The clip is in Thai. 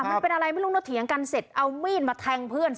มันเป็นอะไรไม่รู้นะเถียงกันเสร็จเอามีดมาแทงเพื่อน